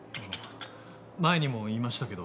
前にも言いましたけど。